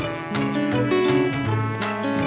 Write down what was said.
ในพระเจ้า